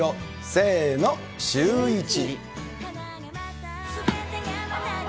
せーの、シューイチ。